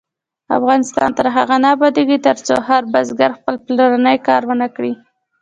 افغانستان تر هغو نه ابادیږي، ترڅو هر بزګر خپل پلاني کار ونکړي.